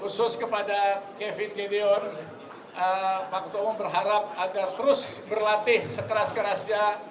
khusus kepada kevin gideon pak ketua umum berharap agar terus berlatih sekeras kerasnya